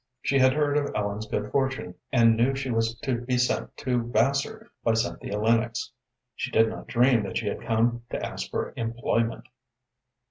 She had heard of Ellen's good fortune, and knew she was to be sent to Vassar by Cynthia Lennox. She did not dream that she had come to ask for employment.